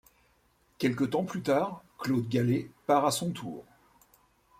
Quelque temps plus tard, Claude Gallet part à son tour.